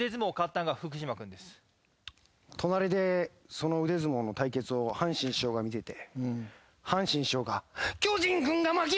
その腕相撲の対決を阪神師匠が見てて。